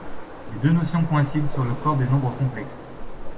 Les deux notions coïncident sur le corps des nombres complexes.